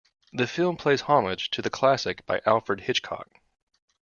The film plays homage to the classic by Alfred Hitchcock.